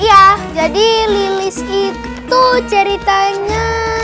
iya jadi lilis itu ceritanya